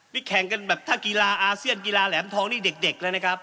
นี่แข่งกันแบบถ้ากีฬาอาเซียนกีฬาแหลมทองนี่เด็กเลยนะครับ